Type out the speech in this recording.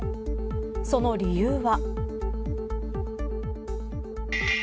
その理由は。